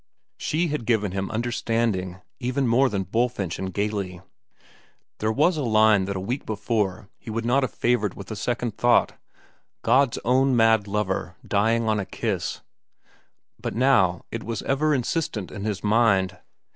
She had given him understanding even more than Bulfinch and Gayley. There was a line that a week before he would not have favored with a second thought—"God's own mad lover dying on a kiss"; but now it was ever insistent in his mind.